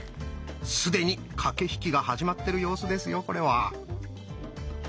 既に駆け引きが始まってる様子ですよこれは。